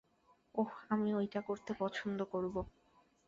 ওহ, আমি ঐটা করতে পছন্দ করবো।